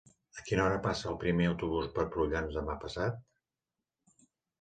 A quina hora passa el primer autobús per Prullans demà passat?